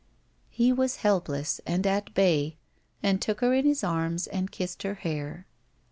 He was helpless and at bay and took her in his arms and kissed her hair.